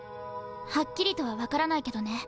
はっきりとは分からないけどね。